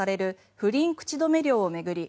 不倫口止め料を巡り